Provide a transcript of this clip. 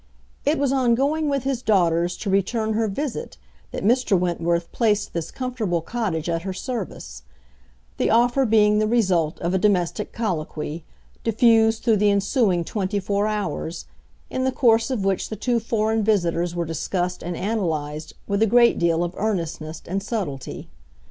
It was on going with his daughters to return her visit that Mr. Wentworth placed this comfortable cottage at her service; the offer being the result of a domestic colloquy, diffused through the ensuing twenty four hours, in the course of which the two foreign visitors were discussed and analyzed with a great deal of earnestness and subtlety.